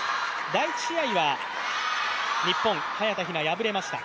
第１試合は日本、早田ひな、敗れました。